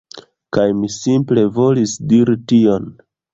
Kaj mi simple volis diri tion.